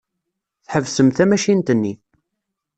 Tḥebsem tamacint-nni.